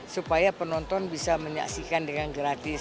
supaya penonton bisa menyaksikan dengan gratis